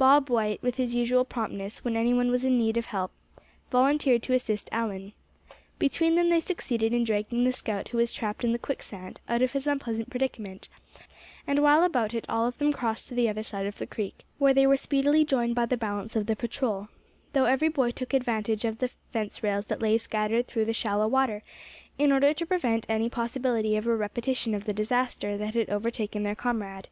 Bob White, with his usual promptness, when any one was in need of help, volunteered to assist Allan. Between them they succeeded in dragging the scout who was trapped in the quicksand, out of his unpleasant predicament; and while about it all of them crossed to the other side of the creek, where they were speedily joined by the balance of the patrol; though every boy took advantage of the fence rails that lay scattered through the shallow water, in order to prevent any possibility of a repetition of the disaster that had overtaken their comrade.